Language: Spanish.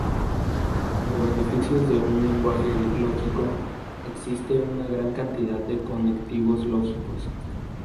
Como beneficios de un lenguaje lógico, existe una gran cantidad de conectivos lógicos.